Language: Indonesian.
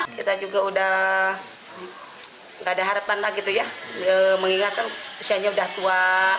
kita juga sudah tidak ada harapan lagi mengingatkan cianjuang sudah tua